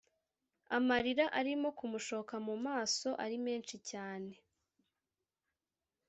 amarira arimo kumushoka mu maso ari menshi cyane